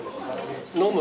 飲む？